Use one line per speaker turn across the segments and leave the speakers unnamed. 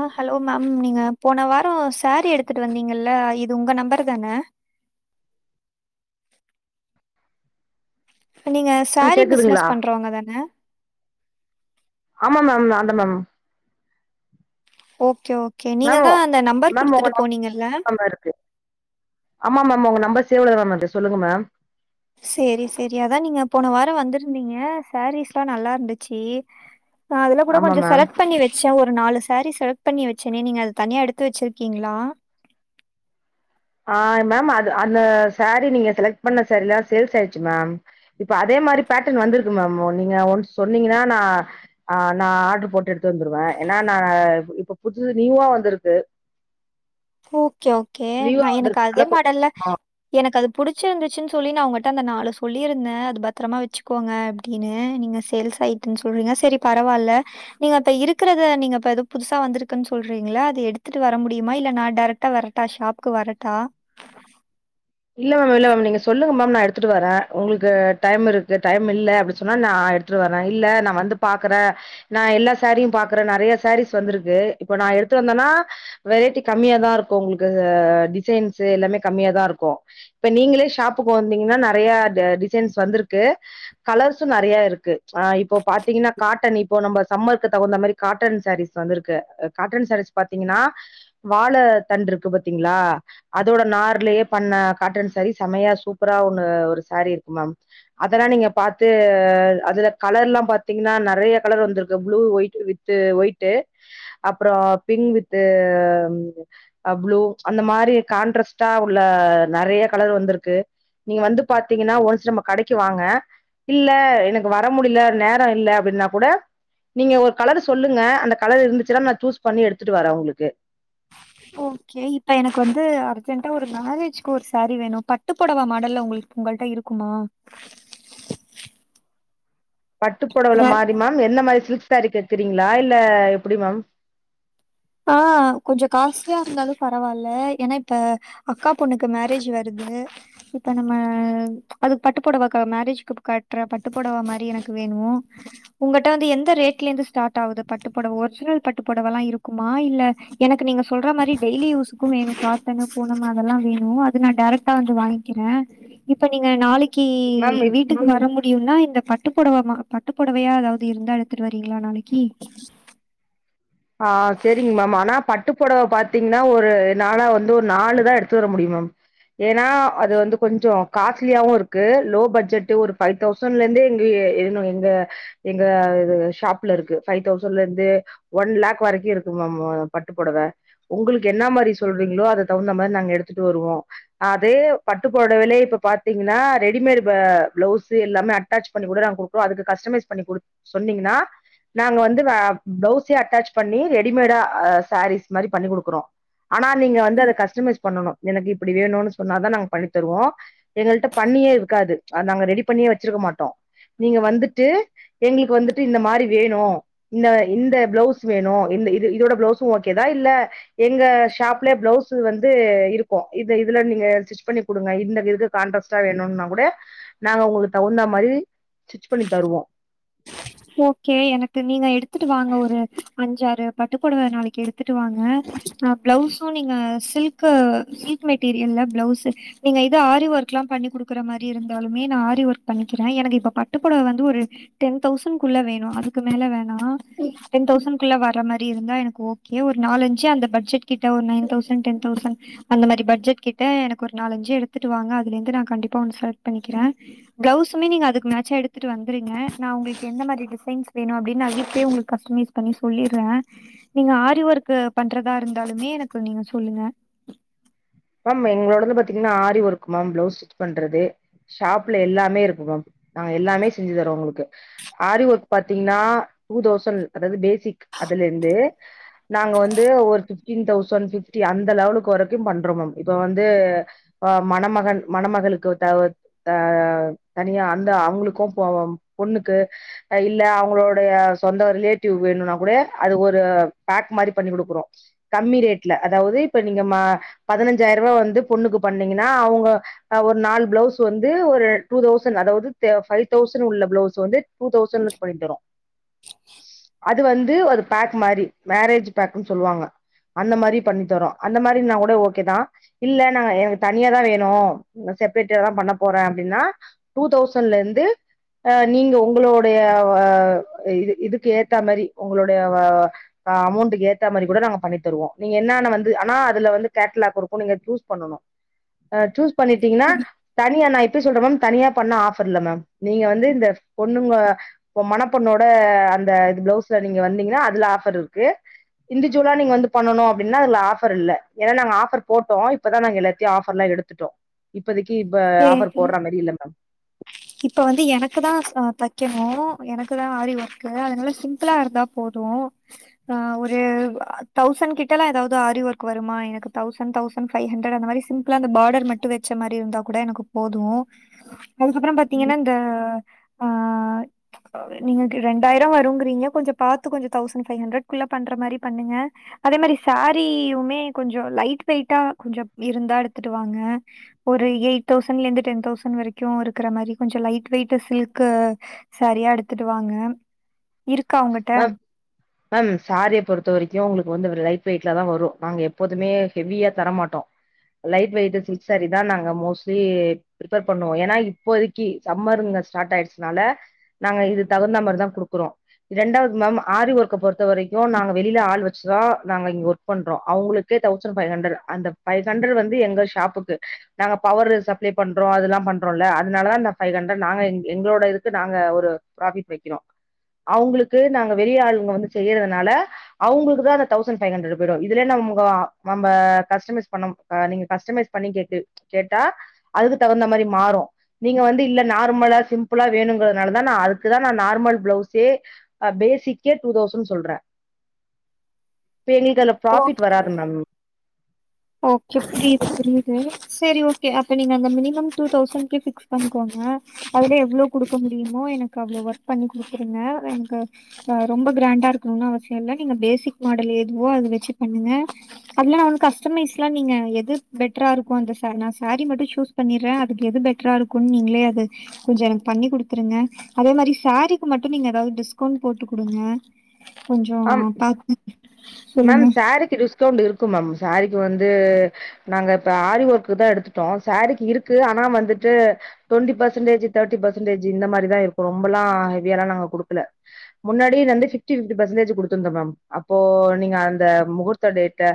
ஆ hello ma'am நீங்க போன வாரோ சாரீ எடுத்துட்டு வந்தீங்கல்ல இது உங்க நம்பர் தானே இப்ப நீங்க
மேம்
சேரீ
கேக்குதுங்களா
பிஸ்னஸ் பண்ணுறவங்க தானே
ஆமா மேம் நான் தா மேம்
ஓகே ஓகே நீங்க
மேம்
தா அந்த நம்பர் குடுத்துட்டு போனீங்கல்ல
தா இருக்கு ஆமா மேம் உங்க நம்பர் சேவ்ல தா மேம் இருக் சொல்லுங்க மேம்
சேரி சேரி அதா நீங்க போன வாரோ வந்திருந்தீங்க சாரீஸ் எல்லா நல்லா இருந்துச்சி நா ஆதுல கூட
ஆமா
கொஞ்சோ
மேம்
செலக்ட் பண்ணி வெச் ச்ச ஒரு நாலு சேரீ செலக்ட் பண்ணி வெச்சேனே நீங்க அத தனியாக எடுத்து வெச்சிருக்கீங்களா
ஆ மேம் அது அந்த சேரீ நீங்க செலக்ட் பண்ண சேரீல்லா சேல்ஸ் ஆயிடுச்சி மேம் இப்ப அதே மாரி பேட்டன் வந்திருக்கு மேம் நீங்க ஒன்ஸ் சொன்னீங்கன்னா நா ஆ நா ஆர்டர் போட்டு எடுத்து வந்துருவே ஏன்னா நா இப்ப இப்ப புதுசு நியூவா வந்திருக்கு
ஓகே ஓகே
நியூவா
நா என்னக்கு
வந்திருக்கு
அதே
அதனால கொஞ்சம்
மாடல்ல
ஆ
எனக்கு அது புடிச்சிருந்துச்சுன்னு சொல்லி நா உங்கிட்ட அந்த நாலு சொல்லிருந்தே அது பத்திரமா வெச்சுக்கோங்க அப்டின்னு நீங்க சேல்ஸ் ஆயிட்டுன்னு சொல்றீங்க சேரி பரவால்ல நீங்க இப்ப இருக்கறத நீங்க இப்ப ஏதோ புதுசா வந்திருக்குன்னு சொல்றீங்ள அத எடுத்துட்டு வர முடியுமா இல்ல நான் டேரக்டா வரட்டா ஷாப்புக்கு வரட்டா
இல்ல மேம் இல்ல மேம் நீங்க சொல்லுங்க மேம் நா எடுத்துட்டு வரே உங்களுக்கு டைம் இருக்குது டைம் இல்ல அப்டி சொன்னா நா எடுத் துட்டு வரே இல்ல நா வந்து பாக்குறே நா எல்லா சேரீயு பாக்குறே நறைய சேரீஸ் வந்திருக்கு இப்ப நா எடுத்து வந்தேன்னா வெரைட்டி கம்மியா தா இருக்கு உங்களுக்கு டிசைன்ஸ் எல்லாமே கம்மிய தா இருக்கு இப்ப நீங்களே ஷாப்புக்கு வந்தீங்கன்னா நறைய டிசைன்ஸ் வந்திருக்கு கலர்ஸ்சு நறைய இருக்கு ஆ இப்போ பாத்தீங்னா காட்டன் இப்போ நம்ம சம்மருக்கு தகுந்த மாரி காட்டன் சாரீஸ் வந்துருக்கு காட்டன் சாரீஸ் பாத்தீங்னா வாழ தண்டு இருக்கு பாத்தீங்ளா அதோட நார்லயே பண்ண காட்டன் சாரீ செமையா சூப்பரா ஒன்னு ஒரு சாரீ இருக்கு மேம் அதெல்லா நீங்க பாத்து அதுல கலர்லா பாத்தீங்னா நிறைய கலர் வந்திருக்கு blue white with with white அப்ற பிங் வித்து ப்ளு அந்த மாறி கான்ட்ரஸ்ட்டா உள்ள நிறைய கலர் வந்திருக்கு நீங்க வந்து பாத்தீங்கன்னா ஒன்ஸ்சு நம்ம கடைக்கு வாங்க இல்ல எனக்கு வர முடியல நேரம் இல்ல அப்டின்னா கூட நீங்க ஒரு கலர் சொல்லுங்க அந்த கலர் இருந்துச்சுன்னா நா சூஸ் பண்ணி எடுத்துட்டு வரேன் உங்களுக்கு
ஓகே இப்போ எனக்கு வந்து அர்ஜென்ட்டா ஒரு மேரேஜ்கு ஒரு சாரீ வேணு பட்டு புடவ மாடல்ல உங்களுக் உங்கள்ட்ட இருக்குமா
பட்டுப்புடவ
வேற
மாறி மேம் எந்த மாறி சில்க் சாரீ கேக்குறீங்களா இல்ல எப்டி மேம்
ஆ கொஞ்ச காஸ்ட்லியா இருந்தாலு பரவாயில்ல ஏன்னா இப்ப அக்கா பொண்ணுக்கு மேரேஜ் வருது இப்ப நம்ம அதுக்கு பட்டு புடவா மேரேஜ்கு கட்டுற பட்டு புடவா மாறி எனக்கு வேணு உங்கட்ட வந்து எந்த ரேட்ல இருந்து ஸ்டார்ட் ஆகுது பட்டு புடவ ஒரிஜினல் பட்டு புடவ எல்லா இருக்குமா இல்ல எனக்கு நீங்க சொல்ற மாறி டெய்லி யூஸ்க்கும்ணு காட்டனு பூணமு அதெல்லா வேணு அது நான் டரக்டா வந்து வாங்கி ங்கிறே இப்ப நீங்க நாளைக்கு
மேம் இப்
வீட்டு ட்டுக்கு வர முடியும்னா இந்த பட்டு புடவை பட்டு புடவையா எதாவது இருந்தா எடுத்துட்டு வரீங்களா நாளைக்கி
ஆ சேரிங்க மேம் ஆனா பட்டுப்புடவ பார்த்தீங்கன்னா ஒரு நால்லா வந்து ஒரு நாலு தான் எடுத்து வர முடியும் மேம் ஏன்னா அது வந்து கொஞ்ச காஸ்ட்லியாவும் இருக்கு லோ பட்ஜெட்டு இருக்கு ஒரு தௌசண்ட்ல இருந்தே எங்க எதுனு எங்க எங்க ஷாப்ல இருக்கு ஃப்பை தௌசண்ல இருந்தே ஒன் லேக் வரைக்கு இருக்கு மேம் பட்டு போடவ உங்களுக்கு என்ன மாறி சொல்றீங்களோ அத தகுந்த மாறி நாங்க எடுத்துட்டு வருவோம் அதே பட்டு புடவேலையிலே இப்ப பாத்தீங்கன்னா ரெடிமேட் பிளவுஸ் எல்லாமே அட்டாச் பண்ணி கூட நா குடு அதுக்கு கஸ்டமைஸ் பண்ணி குடு சொன்னீங்கன்னா நாங்க வந்து பிளவுஸ் ச்சே அட்டாச் பண்ணி ரெடிமேடா சாரீஸ் மாறி பண்ணி குடுக்குறோம் ஆனா நீங்க வந்து அத கஸ்டமைஸ் பண்ணணும் எனக்கு இப்டி வேணும்னு சொன்னாதா நாங்க பண்ணி தருவோம் எங்கள்ட்ட பண்ணியே இருக்காது நாங்க ரெடி பண்ணியே வச்சிருக்க மாட்டோம் நீங்க வந்துட்டு எங்களுக்கு வந்துட்டு இந்த மாறி வேணு இந்த இந்த பிளவுஸ் வேணு இந்த இது இதோட பிளவுஸ் ஓகேதா இல்ல எங்க ஷாப்ல பிளவுஸ் வந்து இருக்கும் இது இதுல நீங்க டிச்பண்ணி குடுங்க இந்த இது கான்ரஸ்ட்டா வேணும்னா கூட நாங்க உங்களுக்கு தகுந்த மாறி ஸ்டிச் பண்ணி தருவோம்
ஓகே எனக்கு நீங்க எடுத்துட்டு வாங்க ஒரு அஞ்சாறு பட்டுக்பொடவ நாளைக்கு எடுத்துட்டு வாங்க ப்ளவுஸும் நீங்க சில்க் க்கு சில்க் மெட்டீரியல்ல பிளவுஸு நீங்க இது ஆரி ஒர்க் எல்லா பண்ணி கொடுக்குற மாறிஇருந்தாலுமே நா ஆரி ஒர்க் பண்ணிக்கிறே எனக்கு இப்ப பட்டுப்புடவ வந்து ஒரு டென் தௌசண்ட் குள்ள வேணும் அதுக்கு மேல வேணாம் டென் தௌசண்ட் ள்ள வர மாறிஇருந்தா எனக்கு ஓகே ஒரு நாலஞ்சு அந்த பட்ஜெட் கிட்ட ஒரு நைன் தௌசண்ட் டென் தௌசண்ட் அந்த மாறி பட்ஜட் கிட்ட எனக்கு ஒரு நாலஞ்சு எடுத்துட்டு வாங்க அதுல இருந்து நா கண்டிப்பா ஒன்னு செலக்ட் பண்ணிக்கிறேன் பிளவுஸுமே நீங்க அதுக்கு மேட்சா எடுத்துட்டு வந்துருங்க நா உங்களுக் எந்த மாறி டிசைன்ஸ் வேணும் அப்டினு நா வீட்லயே உங்களுக்கு கஸ்டமைஸ் பண்ணி சொல்லிறேன் நீங்க ஆரி ஒர்க் பண்றதா இருந்தாலுமே எனக்கு நீங்க சொல்லுங்க
மேம் எங்களோடு பாத்தீங்கன்னா ஆரி ஒர்க்மேம் பிளவுஸ் ஸ்டிச் பண்றது ஷாப்ல எல்லாமே இருக்கு மேம் நாங்க எல்லாமே செஞ்சு தரறோம் உங்களுக்கு ஆரி ஒர்க் பாத்தீங்கன்னா டூ தௌசண்ட் அதாவது பேசிக் அதுல இருந்து நாங்க வந்து ஒரு பிப்டீன் தௌசண்ட் பிப்டி அந்த லெவலு வரைக்கும் பண்றோம் மேம் இப்ப வந்து மணமகன் மணமகளுக்கு தவத் த தனியா அந்த அவுங்ளுக்ககு போவம் பொண்ணுக்கு அ இல்ல அவுங்ளோடைய சொந்த ரிலேட்டிவ் வேணுன்னா கூட அது ஒரு பேக் மாரி பண்ணி குடுக்குறோ கம்மி ரேட்ல அதாவுது இப்ப நீங்க ம பதுனஞ்சாயர்வா வந்து பொண்ணுக்கு பண்ணீங்னா அவுங்க அ ஒரு நாலு ப்ளவுஸ் வந்து ஒரு டூ தௌசண்ட் அதாவ்து ஃபைவ் தௌசண்ட் உள்ள ப்ளவுஸ் வந்து டூ தௌசண்ட்ல பொய்ட்டுறோ அத் து வந்து ஒரு பேக் மாரி மேரேஜ் பேக்ன் சொல்வாங்க அந்த மாரி பண்ணி தரோ அந்த மாரி நா கூடே ஓகேதா இல்ல நாங்க எனக்கு தனியாதா வேணு செப்ரேட்டேதா பண்ண போற அப்டின்னா டூ தௌசண்ட்லேந்து அ நீங்க உங்களோடைய இது இதுக்கு ஏத்தாமா உங்களோடைய அ அமௌண்ட்டுக்கு ஏத்தா மரி கூட நாங்க பண்ணி தருவோ நீங்க என்னன்ன வந்து ஆனா அதுல வந்து கேட் லாக் இருக் கு நீங்க சூஸ் பண்ணனு அ சூஸ் பண்ணிட்டீங்னா தனியா நா இப் டு சொல்ற மேம் தனியா பண்ண ஆஃபர் இல்ல மேம் நீங்க வந்து இந்த பொண்ணுங்க ஒ மணப்பண்ணோட அந்த இது ப்ளவுஸ்ல நீங்க வந்தீங்னா அதுல ஆஃபர் இருக்கு இந்துஜுவலா நீங்க வந்து பண்ணனு அப்டின்னா அதுல ஆஃபர் இல்ல ஏன்னா நா ஆஃபர் போட்டோ இப்பதா நாங்க எல்லாத்தையு ஆஃபர்லா எடுத்துட்டோ இப்பதிக்கி இப்ப ஆஃபர்
சேரி.
போட்றா மரி இல்லம்
இப்ப வந்து எனக்கு சா தக்கணு எனக்கு தா ஆரி ஒர்க் கு அதனால சிம்புளா இருந்தா போது ஆ ஒரு தௌசண்ட் கிட்டல்லா எதாவுது அரி ஒர்க் வருமா எனக்கு தௌசண் தௌசண் ஃபைவ் ஹண்டர் அந்த மாரி சிம்புளா அந்த பாடர் மட்டு வச்ச மாரி இருந்தா கூட எனக்கு போது அதுக்கப்றம் பாத் திங்கன இந்த ஆ நீங்க கு ரெண்டாயிர வருங்குறீங்க கொஞ்ச பாத்து கொஞ்ச தௌசண்ட் ஃபைவ் ஹண்ட்ரட குள்ள பண்ற மாரி பண்ணுங்க அதே மரி சாரீயுமே கொஞ்ச லைட் வெயிட்டா கொஞ்ச இருந்தா எடுத்துட்டு வாங்க ஒரு எயிட் தௌசண்ட்லேந்து டென் தௌசண்ட் வரக்கு இருக்குற மரி கொஞ்ச லைட் வெயிட்ட சில்க்கு சாரீயா எடுத்துட்டு வாங்க இருக்கா உங்கட்ட
மேம் மேம் சாரிய பொறுத்த வரிக்கு உங்களுக்கு வந்து ஒரு லைட் வெயிட்ல தா வரு நாங்க எப்போதுமே ஹெவியா தரமாட்டோ லைட் வெயிட்டு சில்க் சாரிதா நாங்க மோஸ்ட்லி பிர்ப்பேர் பண்ணுவோ ஏன்னா இப்போதிக் கி சம்மர் இங்க ஸ்டார்ட் ஆயிட்ச்சுனால நாங்க இது தகுந்தா மரி தா குடுக்குறோ ரெண்டாவது மம் ஆரி ஓர்க்க பொறுத்த வரிக்கு நாங்க வெளில ஆள் வச்சுதா நாங்க இங்க ஒர்க் பண்றோ அவ்ங்ளுக்கே தௌசண்ட் ஃபை ஹண்டர் அந்த ஃபைவ் ஹண்டர் வந்து எங்க ஷாப்புக்கு நாங்க பவர்ரு சப்ளே பண்றோ அதுல்லா பண்றோல்ல அதுனாலதா இந்த ஃபைவ் ஹண்ட்ரட் நாங்க எங்ளோட இதுக்கு நாங்க ஒரு ப்ராஃபிட் வக்கிறோ அவ்ங்ளுக்கு நாங்க வெளிய ஆளுவ்ங்க வந்து செய்யிறதுனால அவ்ங்களுக்கு தா அந்த thousand five hundred paid இதுலே நம்ங்கோ மம்ப கஸ்ட்டமைஸ் பண்ணம் அ நீங்க கஸ்ட்டமைஸ் பண்ணி கேட்டு கேட்டா அதுக்கு தகுந்த மாரி மாறு நீங்க வந்து இல்ல நார்மலா சிம்ப்புளா வேணுங்குறதுனாலதா நா அதுக்குதா நா நார்மல் ப்ளவுஸ் சே அ பேசிக்கே டூ தௌசண்ட் சொல்ற பே எங்லுக் அதுல பாஃபிட்
ஓகே.
வராது மேம்
ஓகே ஃப்ரீது புரியுது சேரி ஓகே அப்ப நீங்க அந்த மினிமம் டூ தௌசண்ட்கே பிக்ஸ் பண்ணிக்கோங்க அதுலே எவ்ளோ குடுக்க முடியுமோ எனக்கு அவ்ளோ ஒர்க் பண்ணி குடுக்குருங்க எனுக்கு அ ரொம்ப கிரண்டா இருக்குணுனு அவசியோல்ல நீங்க பேசிக் மாடல் எதுவோ அது வெச்சு பண்ணுங்க அப்பிலா நா ஒன்னு கஸ் ஸ்ட்டமைஸ்லா நீங்க எது பெட்ரா இருக்கு அந்த ச நா சாரி மட்டு சூஸ் பண்ணிர்ற அதுக்கு எது பெட் ட்ரா இருக்குனு நீங்களே அது கொஞ்சோ எனக்கு பண்ணி குடுத்துருங்க அதே மாரி சாரீக்கு மட்டு நீங்க எதாவது டிஸ்கவ்ண்ட் போட்டு குடுங்க கொஞ்சோ
ஆ
பாத்து
மேம்
சொல்லுங்க
சாரீக்கு டிஸ்கவுண்ட் இருக்கு மேம் சரிக்கு வந்து நாங்க இப்ப ஆரி ஒர்க் தா எடுத்துட்டோ சாரீக்கு இருக்கு ஆனா வந்துட்டு டுவெண்ட்டி பர்சன்டேஜ் த்தேட்டி பர்சன்டேஜ் இந்த மாரிதா இருக்கு ரொம்பல்லா ஹெவியாலா நாங்க குடுக்கல முன்னாடயேந்து பிஃப்டி பர்சன்டேஜ் குடுத்துருந்தோ மேம் அப்போ நீங்க அந்த முகூர்த்த டேட்ட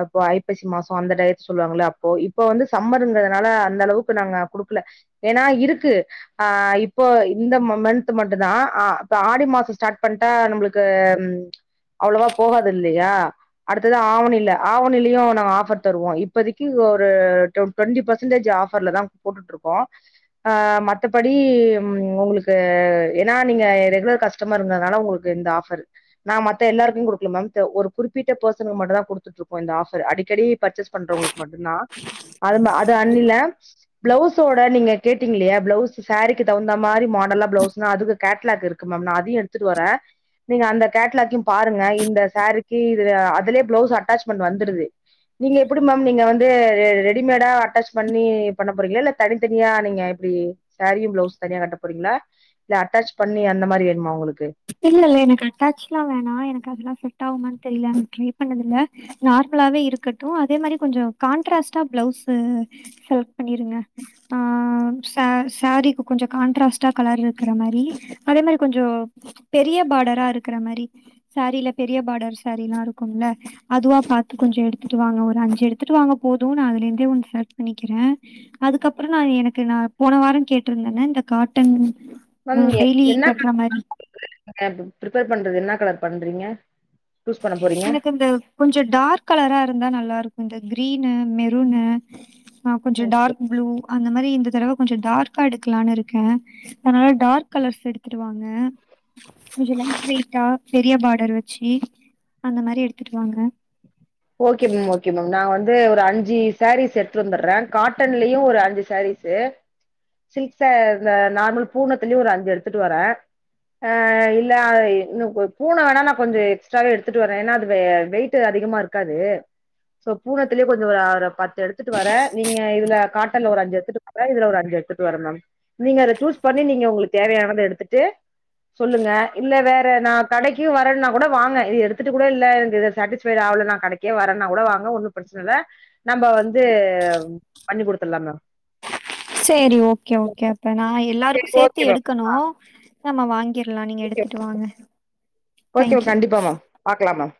அப்போ ஐப்பசி மாசோ அந்த டயத் சொல்லுவாங்கள அப்போ இப்ப வந்து சம்மர்ங்கதுனால அந்த அளவுக்கு நாங்க குடுக்கல ஏனா இருக்கு ஆ இப்போ இந்த மன்து மட்டுதா ஆடி மாசோ ஸ்டார்ட் பண்ட்டா நம்மளுக் க்கு அவ்ளவா போகாதுல்லையா அடுத்தது ஆவணில்ல ஆவணிலயு நாங் ஆஃபர் தருவோ இப்போதைக்கு ஒரு டுவெண்டி பெர்சன்டேஜ் ஆஃபர்ல தா போட்டுட்டுருக்கோ ஆ மத்தபடி உங்களுக்கு ஏனா நீங்க ரெகுலர் கஸ் ஸ்டமர் இங்கதுனால உங்களுக்கு இந்த ஆஃபர் நா மத்த எல்லாருக்கு குடுக்கல மேம் ஒரு குறிப்பிட்ட பெர்சனுக்கு மட்டு தா கொடுத்துட்டுருக்கோ இந்த ஆஃபர் அடிக்கடி பர்ச்சேஸ் பண்றவங்களுக்கு மட்டு் தா அது அது அன்னில பிளவுஸோட நீங்க கேட்டீங்கல்லயா பிளவுஸ் சாரீக்கு தகுந்த மாரி மாடலா பிளவுஸ்ன்னா அதுக்குகேட்லாக்ருக்கு க்கு மேம் நா அதையு எடுத்துட்டு வர நீங்க அந்த கேட்லாக்கையு பாருங்க இந்த சாரிக்கு இது அதுலே பிளவுஸ் அட்டாச்மெண்ட் வந்துருது நீங்க எப்டி மேம் நீங்க வந்து ரெடிமேடா அட்டாச் பண்ணி பண்ண போறீங்களா இல்ல தனித்தனியா நீங்க இப்டி சாரியு பிளவுஸு தனியா கட்ட போறீங்களா இல்ல அட்டாச் பண்ணி அந்த மாரி வேணுமா உங்களுக்கு
இல்லல்ல எனக்கு அட்டாச்ல்லா வேணா எனக்கு அதெல்லா செட் ஆகுமானு தெரில அனிக்கி ட்ரை பண்ணதுல்ல நார்மலாவே இருக்கட்டு அதே மாரி கொஞ்சோ கான்ட்ராஸ்ட்டா பிளவுஸ்சு செலக்ட் பண்ணிருங்க ஆ ச சாரீக்கு கொஞ்சோ கான்ட்ராஸ்ட்டா கலர் இருக்குற மாரி அதே மாரி கொஞ்சோ பெரிய பாடரா இருக்குற மாரி சாரில பெரிய பாடர் சாரிலா இருக்கும்ல அதுவா பாத்து கொஞ்சோ எடுத்துட்டு வாங்க ஒரு அஞ்சு எடுத்துட்டு வாங்க போது நா அதுல இருந்தே ஒன்னு செலெக்ட் பண்ணிக்கிற அதுக்கப்புறோ நா எனக்கு நா போன வாரோ கேட்டிருந்தல இந்த காட்டன் ம் டெய்லி கட்ற மாரி
ப்ரிப்பர் பண்றது என்ன கலர் பண்றீங்க சூஸ் பண்ண போறீங்க
எனக்கு இந்த கொஞ்சோ டார்க் கலரா இருந்தா நல்லா இருக்கு இந்த கிரீனு மெருனு ஆ கொஞ்சோ
ஓகே
டார்க் ப்ளூ அந்த மாரி இந்த தடவ கொஞ்ச டார்க்கா எடுக்கலான்னு இருக்க அதனால டார்க் கலர்ஸ் எடுத்துட்டுவாங்க கொஞ்சோ லைட் வெய்ட்டா பெரிய பார்டர் வச்சு அந்த மாரி எடுத்துட்டுவாங்க
ஓகே மீம் ஓகே மம் நா வந்து ஒரு அஞ்சு சாரீஸ் எடுத்துட்டு வந்துற்ற காட்டன்லயு ஒரு அஞ்சு சாரீஸ் செ சில்க்ஸ் சர் இந்த நார்மல் பூனத்துலயு ஒரு அஞ்சு எடுத்துட்டு வர ஆ இல்ல அ இன்னு பூனொ வேணா நா கொஞ்சோ எக்ஸ்ட்ராவே எடுத்துட்டு வர ஏனா அது வ வெயிட் அதிகமா இருக் க்காது சோ பூனத்துலயே கொஞ்சோ ஒரு பத்து எடுத்துட்டு வர நீங்க இதுல காட்டன்ல ஒரு அஞ்சு எடுத்துட்டு இதுல ஒரு அஞ்சு எடுத்துட்டு வரனும் நீங்க அத சூஸ் பண்ணி நீங்க உங்ளுக்கு தேவயானத எடுத்துட்டு சொல்லுங்க இல்ல வேற நா கடைக்கு வரனா கூட வாங்க இது எடுத்துட்டு கூட இல்ல எ இது சாட்டிஸ்ஃபைட் ஆவல்லனா கடைக்கே வரன்னா கூட வாங்க ஒன்னு பிரச்சனல்ல நம்ம வந்து பண்ணி குடுத்தரலா மேம்
செரி ஓகே ஓகே அப்ப நா
சரி
எல்லாருக்கு
ஓகே
சேத்து
மேம்
எடுக்கணு நம்ம வாங்கிற்லா நீங்க
ஓகே
எடுத்துட்டு வாங்க
ஓகே
தேங்க்யூ.
கண்டிப்பா மேம் பாக்லா மேம்